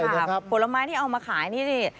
ใช่ครับผลไม้ที่เอามาขายนี่นี่